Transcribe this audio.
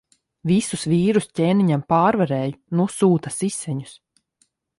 Visus vīrus ķēniņam pārvarēju. Nu sūta siseņus.